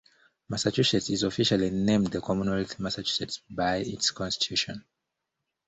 Massachusetts is officially named "The Commonwealth of Massachusetts" by its constitution.